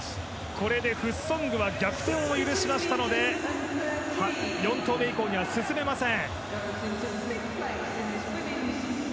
これでフッソングは逆転を許しましたので４投目以降には進めません。